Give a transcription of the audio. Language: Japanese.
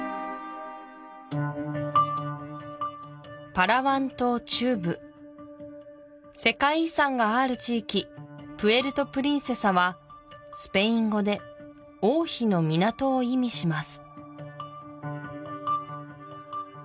パラワン島中部世界遺産がある地域プエルトプリンセサはスペイン語で「王妃の港」を意味します